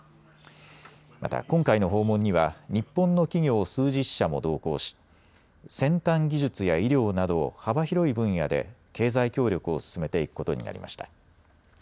また今回の訪問には日本の企業数十社も同行し先端技術や医療など幅広い分野で経済協力を進めていくことになりました。